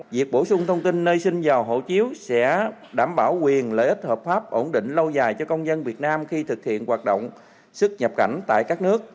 việc bổ sung thông tin nơi sinh giờ hộ chiếu sẽ đảm bảo quyền lợi ích hợp pháp ổn định lâu dài cho công dân việt nam khi thực hiện hoạt động xuất nhập cảnh tại các nước